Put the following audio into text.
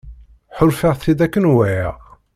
Ḥuṛfeɣ-t-id akken wɛiɣ.